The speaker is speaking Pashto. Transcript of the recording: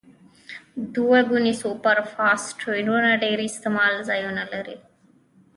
دوه ګونې سوپر فاسفیټونه ډیر استعمال ځایونه لري.